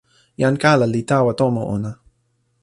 jan kala li tawa tomo ona.